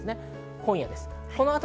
今夜です。